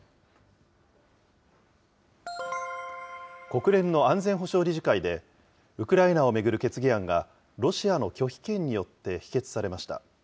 国連の安全保障理事会で、ウクライナを巡る決議案が、ロシアの拒否権によって否決されました。